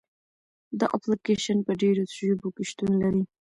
دا اپلیکیشن په ډېرو ژبو کې شتون لري.